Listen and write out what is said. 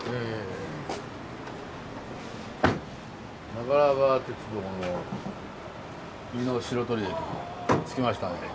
長良川鉄道の美濃白鳥駅に着きましたんで。